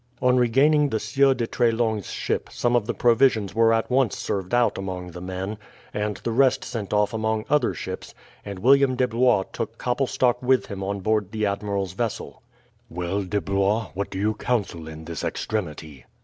On regaining the Sieur de Treslong's ship some of the provisions were at once served out among the men, and the rest sent off among other ships, and William de Blois took Koppelstok with him on board the admiral's vessel. "Well, De Blois, what do you counsel in this extremity?"